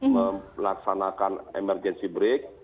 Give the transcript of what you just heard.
melaksanakan emergency break